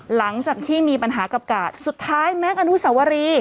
หลังจากที่มีปัญหากับกาดสุดท้ายแม็กซอนุสาวรี